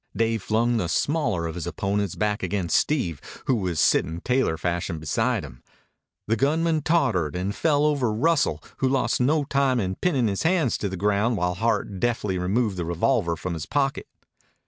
Dave flung the smaller of his opponents back against Steve, who was sitting tailor fashion beside him. The gunman tottered and fell over Russell, who lost no time in pinning his hands to the ground while Hart deftly removed the revolver from his pocket.